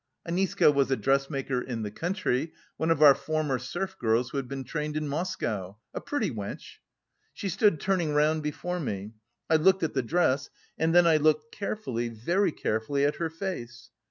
(Aniska was a dressmaker in the country, one of our former serf girls who had been trained in Moscow, a pretty wench.) She stood turning round before me. I looked at the dress, and then I looked carefully, very carefully, at her face.